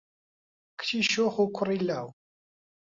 کچی شۆخ و کوڕی لاو